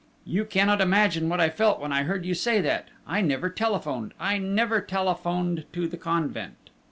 You cannot imagine what I felt when I heard you say that! I never telephoned! I never telephoned to the convent!